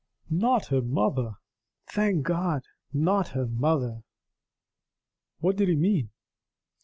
"Not her mother! Thank God, not her mother!" What did he mean?